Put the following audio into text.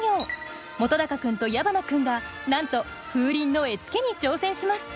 本君と矢花君がなんと風鈴の絵付けに挑戦します。